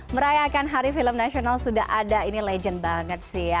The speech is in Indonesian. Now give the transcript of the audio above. merayakan hari film nasional sudah ada ini legend banget sih ya